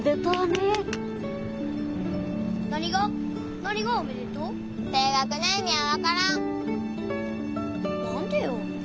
なんでよ。